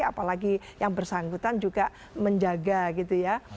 apalagi yang bersangkutan juga menjaga gitu ya